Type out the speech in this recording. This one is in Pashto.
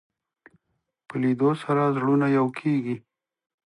په لیدلو سره زړونه یو کېږي